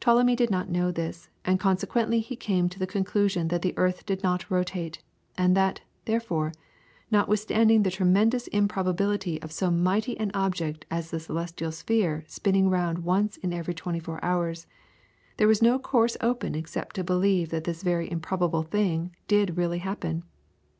Ptolemy did not know this, and consequently he came to the conclusion that the earth did not rotate, and that, therefore, notwithstanding the tremendous improbability of so mighty an object as the celestial sphere spinning round once in every twenty four hours, there was no course open except to believe that this very improbable thing did really happen.